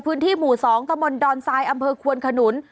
พื้นที่หมู่๒ตะมนต์ดอนทรายอำเภอควนขนุน